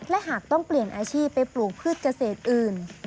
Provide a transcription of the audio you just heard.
และหากต้องเปลี่ยนอาชีพไปปลูกพืชเกษตรอื่น